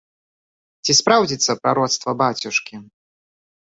Ці спраўдзіцца прароцтва бацюшкі?